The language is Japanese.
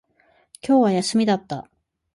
今日は休みだった